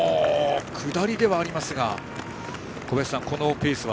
下りではありますが小林さん、このペースは？